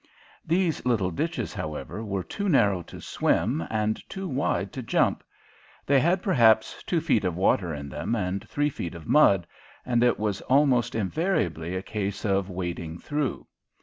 These little ditches, however, were too narrow to swim and too wide to jump. They had perhaps two feet of water in them and three feet of mud, and it was almost invariably a case of wading through.